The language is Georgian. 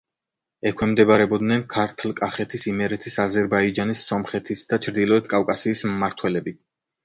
ექვემდებარებოდნენ ქართლ-კახეთის, იმერეთის, აზერბაიჯანის, სომხეთის და ჩრდილოეთ კავკასიის მმართველები.